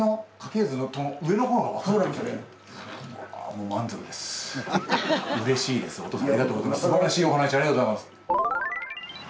もうすばらしいお話ありがとうございます。